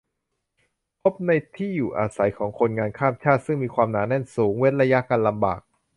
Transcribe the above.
พบในที่อยู่อาศัยของคนงานข้ามชาติ ซึ่งมีความหนาแน่นสูง เว้นระยะกันลำบาก